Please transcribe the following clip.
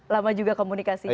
lama juga komunikasinya